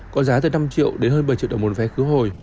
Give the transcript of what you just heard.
có giá từ năm triệu đến hơn bảy triệu đồng một vé khứ hồi